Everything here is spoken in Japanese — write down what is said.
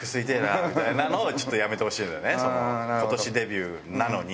今年デビューなのに。